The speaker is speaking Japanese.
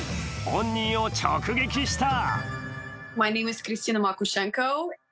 本人を直撃した。